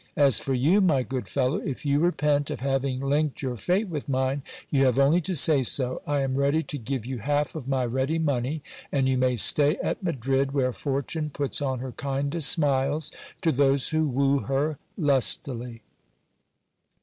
As for you, my good fellow, if you repent of having linked your fate with mine, you have only to say so : I am ready to give you half of my ready money, and you may stay at Madrid, where fortune puts on her kindest smiles to those who woo her lustily.